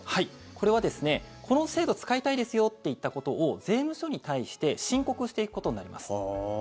これはですね、この制度を使いたいですよといったことを税務署に対して申告していくことになります。